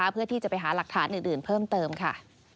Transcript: เพื่อที่จะไปหาหลักฐานอื่นเพิ่มเติมค่ะ